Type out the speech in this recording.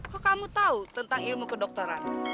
kok kamu tahu tentang ilmu kedokteran